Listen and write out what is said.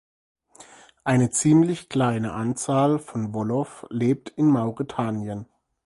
Eine ziemlich kleine Anzahl von Wolof lebt in Mauretanien.